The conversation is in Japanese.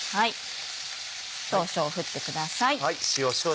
少々振ってください。